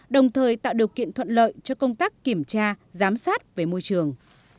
đồng thời tạo điều kiện thuận lợi cho công tác kiểm tra giám sát về môi trường